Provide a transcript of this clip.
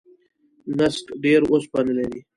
نسک ډیر اوسپنه لري.